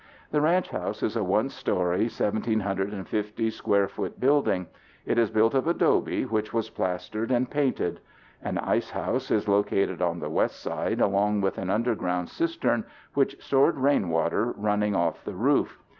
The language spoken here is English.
The ranch house is a one story, 1,750 square foot building. It is built of adobe which was plastered and painted. An ice house is located on the west side along with an underground cistern which stored rain water running off the roof.